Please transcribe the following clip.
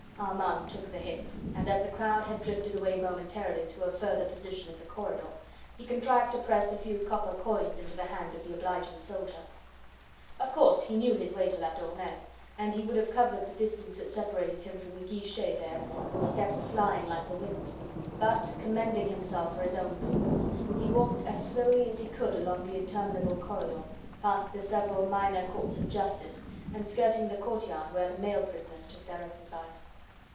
Armand took the hint, and as the crowd had drifted away momentarily to a further portion of the corridor, he contrived to press a few copper coins into the hand of the obliging soldier. Of course, he knew his way to La Tournelle, and he would have covered the distance that separated him from the guichet there with steps flying like the wind, but, commending himself for his own prudence, he walked as slowly as he could along the interminable corridor, past the several minor courts of justice, and skirting the courtyard where the male prisoners took their exercise.